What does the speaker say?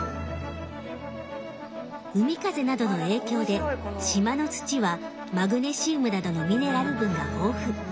海風などの影響で島の土はマグネシウムなどのミネラル分が豊富。